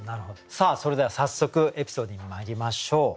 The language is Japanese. さあそれでは早速エピソードにまいりましょう。